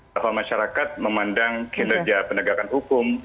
bahwa masyarakat memandang kinerja penegakan hukum